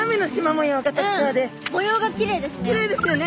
模様がきれいですね。